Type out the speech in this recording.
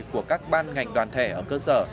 của các ban ngành đoàn thể ở cơ sở